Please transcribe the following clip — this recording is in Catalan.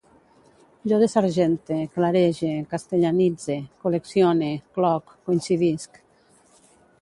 Jo desargente, clarege, castellanitze, col·leccione, cloc, coincidisc